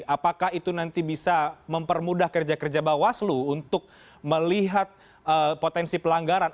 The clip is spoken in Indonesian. apakah itu nanti bisa mempermudah kerja kerja bawaslu untuk melihat potensi pelanggaran